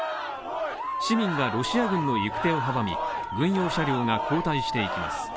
市民がロシア軍の行く手を阻み、軍用車両が後退していきます。